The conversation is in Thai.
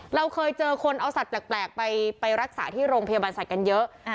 เราเคยเจอคนเอาสัตว์แปลกไปรักษาที่โรงพยาบาลสัตว์กันเยอะ